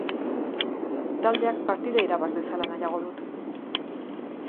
Taldeak partida irabaz dezala nahiago dut.